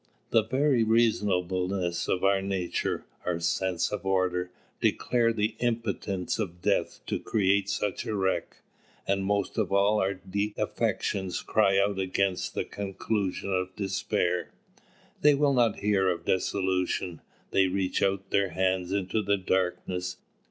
The very reasonableness of our nature, our sense of order, declare the impotence of Death to create such a wreck. And most of all our deep affections cry out against the conclusion of despair. They will not hear of dissolution. They reach out their hands into the darkness.